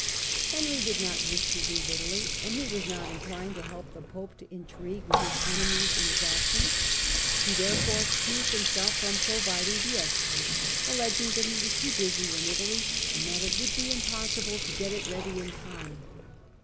Henry did not wish to leave Italy, and he was not inclined to help the pope to intrigue with his enemies in his absence. He, therefore, excused himself from providing the escort, alleging that he was too busy in Italy, and that it would be impossible to get it ready in time.